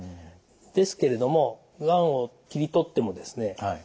ですけれどもがんを切り取ってもですね